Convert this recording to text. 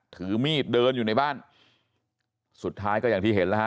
ถือมีดเดินอยู่ในบ้านสุดท้ายก็อย่างที่เห็นแล้วฮะ